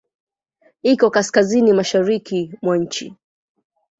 Iko kaskazini-mashariki mwa nchi.